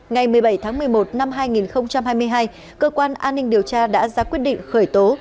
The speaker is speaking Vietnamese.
ngày một mươi bảy tháng một mươi một năm hai nghìn hai mươi hai cơ quan an ninh điều tra đã ra quyết định khởi tố